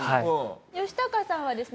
ヨシタカさんはですね